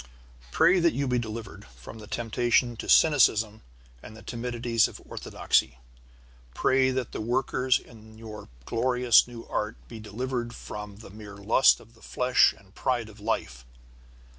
Pray that you be delivered from the temptation to cynicism and the timidities of orthodoxy. Pray that the workers in this your glorious new art be delivered from the mere lust of the flesh and pride of life.